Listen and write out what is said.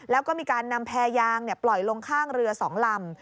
แล้วก็มีการนำแพรยางปล่อยลงข้างเรือ๒ลำ